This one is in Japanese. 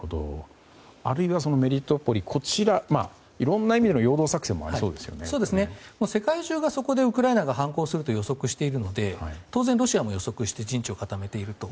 あるいはメリトポリいろいろな意味での世界中がそこでウクライナが反攻すると予測しているので当然ロシアも予測して陣地を固めていると。